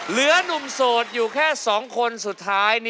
เหลือนุ่มโสดอยู่แค่สองคนสุดท้าย